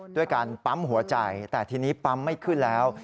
ด้วยการปั๊มหัวใจแต่ทีนี้ปั๊มไม่ขึ้นแล้ว